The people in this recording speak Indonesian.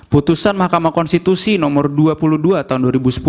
putusan mahkamah konstitusi nomor dua puluh dua tahun dua ribu sepuluh